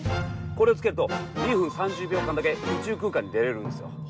これを着けると２分３０秒間だけ宇宙空間に出れるんですよ。